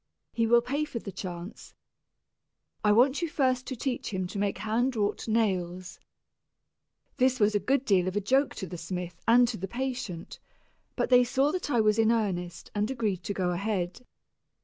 He will pay for the chance. I want you first to teach him to make hand wrought nails." This was a good deal of a joke to the smith and to the patient, but they saw that I was in earnest and agreed to go ahead.